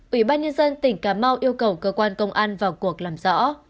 ủy ban nhân dân tỉnh cà mau yêu cầu cơ quan công an vào cuộc làm rõ